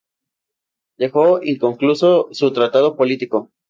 Dejó inconcluso su "Tratado político".